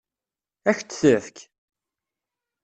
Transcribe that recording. Ad k-t-tefk?